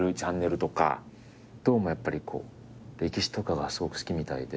どうもやっぱり歴史とかがすごく好きみたいで。